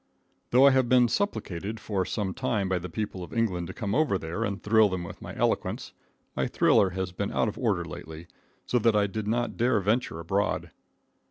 Though I have been supplicated for some time by the people of England to come over there and thrill them with my eloquence, my thriller has been out of order lately, so that I did not dare venture abroad.